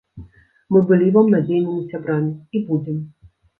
Мы былі вам надзейнымі сябрамі і будзем.